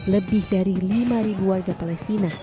lebih dari lima warga palestina